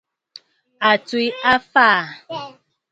O tswe aa fa?